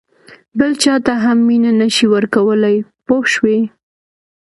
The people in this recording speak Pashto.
بل چاته هم مینه نه شې ورکولای پوه شوې!.